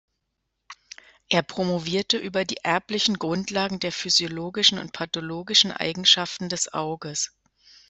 Er promovierte über die erblichen Grundlagen der physiologischen und pathologischen Eigenschaften des Auges.